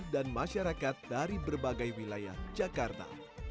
dan masyarakat dari berbagai wilayah jakarta